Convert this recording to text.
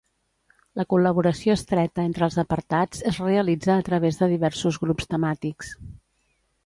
La col·laboració estreta entre els apartats es realitza a través de diversos grups temàtics.